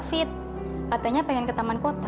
fit katanya pengen ke taman kota